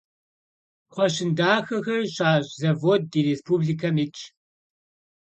Кхъуэщын дахэхэр щащӀ завод ди республикэм итщ.